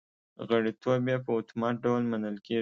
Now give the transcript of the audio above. غړیتوب یې په اتومات ډول منل کېږي